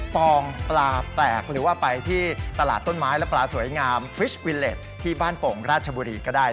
มาหยือแหวะกันนะฮะ